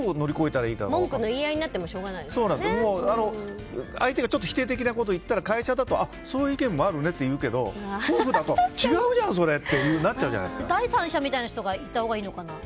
文句の言い合いになっても相手がちょっと否定的なことを言ったら会社だとそういう意見もあるねっていうけど夫婦だと違うじゃん、それ！って第三者みたいな人がいたほうがいいのかな。